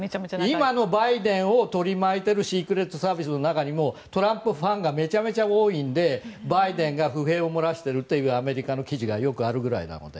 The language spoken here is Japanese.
今のバイデンを取り巻いているシークレットサービスの中にもトランプファンがめちゃめちゃ多いんでバイデンが不平を漏らしているというアメリカの記事がよくあるぐらいなので。